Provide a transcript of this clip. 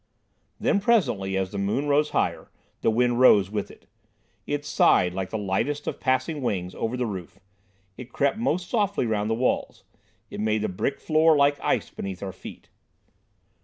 Then presently, as the moon rose higher, the wind rose with it. It sighed, like the lightest of passing wings, over the roof; it crept most softly round the walls; it made the brick floor like ice beneath our feet.